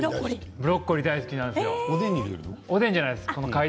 ブロッコリー大好きなんですよ。